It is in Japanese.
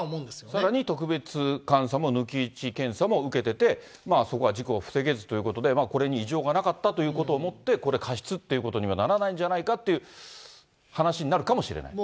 さらに特別監査も抜き打ち検査も受けてて、そこは事故を防げずということで、これに異常がなかったということをもって、これ、過失ということにはならないんじゃないかという話になるかもしれない？